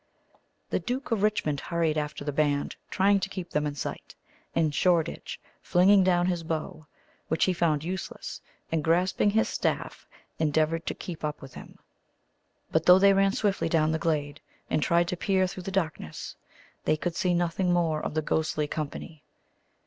The Duke of Richmond hurried after the band, trying to keep them in sight; and Shoreditch, flinging down his bow, which he found useless, and grasping his staff, endeavoured to keep up with him. But though they ran swiftly down the glade, and tried to peer through the darkness, they could see nothing more of the ghostly company.